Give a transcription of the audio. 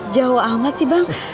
jauh amat sih bang